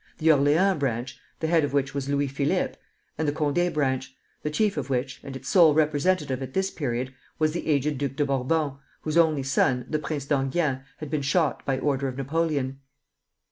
the Orleans branch, the head of which was Louis Philippe; and the Condé branch, the chief of which, and its sole representative at this period, was the aged Duke of Bourbon, whose only son, the Prince d'Enghien, had been shot by order of Napoleon.